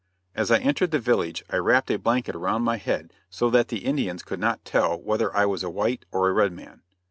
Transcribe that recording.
As I entered the village I wrapped a blanket around my head so that the Indians could not tell whether I was a white or a red man.